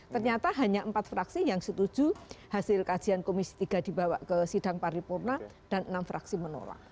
ternyata hanya empat fraksi yang setuju hasil kajian komisi tiga dibawa ke sidang paripurna dan enam fraksi menolak